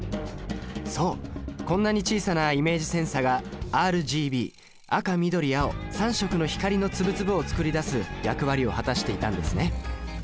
そうこんなに小さなイメージセンサがＲＧＢ赤緑青３色の光の粒々を作り出す役割を果たしていたんですね。